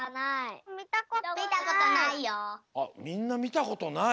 あっみんなみたことない。